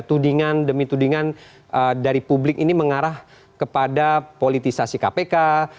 tudingan demi tudingan dari publik ini mengarah kepada politisasi kpk